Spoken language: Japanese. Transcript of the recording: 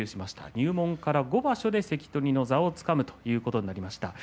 入門から５場所で関取の座をつかむということになりました。